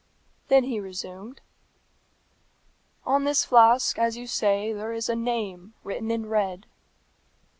Then he resumed, "On this flask, as you say, there is a name written in red."